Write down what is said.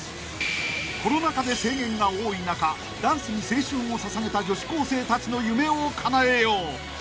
［コロナ禍で制限が多い中ダンスに青春を捧げた女子高生たちの夢をかなえよう］